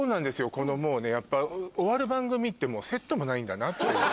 このもうね終わる番組ってセットもないんだなって。